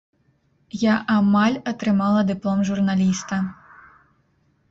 Я амаль атрымала дыплом журналіста.